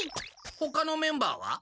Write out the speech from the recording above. ほかのメンバーは？